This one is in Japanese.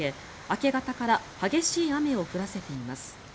明け方から激しい雨を降らせています。